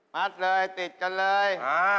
พัดเลยติดกันเลย